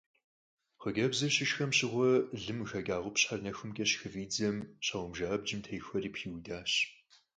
Хъыджэбзыр щышхэм щыгъуэ лым къыхэкӀа къупщхьэр нэхумкӀэ щыхыфӀидзэм щхьэгъубжэ абджым техуэри пхиудащ.